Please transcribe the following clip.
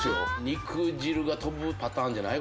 肉汁が飛ぶパターンじゃない？